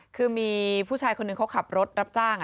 คือมีผู้ชายคนหนึ่งเขาขับรถรับจ้าง